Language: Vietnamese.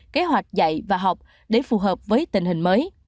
kế hoạch dạy và học để phù hợp với tình hình mới